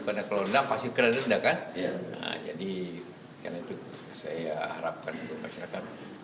karena kalau tidak pasti kena denda kan jadi karena itu saya harapkan untuk masyarakat